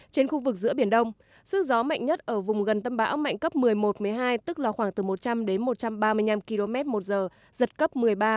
trên khu vực giữa biển đông sức gió mạnh nhất ở vùng gần tâm bão mạnh cấp một mươi một một mươi hai tức là khoảng từ một trăm linh đến một trăm ba mươi năm km một giờ giật cấp một mươi ba